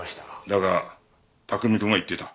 だが卓海くんは言っていた。